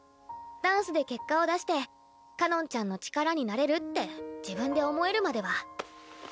ダンスで結果を出してかのんちゃんの力になれるって自分で思えるまでは。